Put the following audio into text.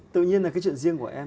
tự nhiên là cái chuyện riêng của em